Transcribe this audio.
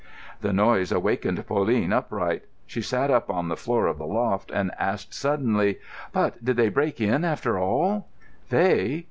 The noise awakened Pauline upright. She sat up on the floor of the loft and asked suddenly: "But did they break in after all?" "They?